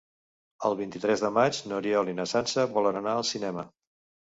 El vint-i-tres de maig n'Oriol i na Sança volen anar al cinema.